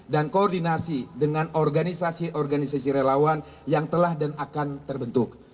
dan koordinasi dengan organisasi organisasi relawan yang telah dan akan terbentuk